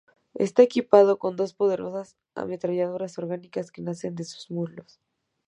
Está equipado con dos poderosas ametralladoras orgánicas que nacen de sus muslos.